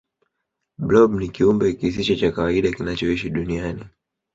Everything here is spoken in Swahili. blob ni kiumbe kisicho cha kawaida kinachoishi duniani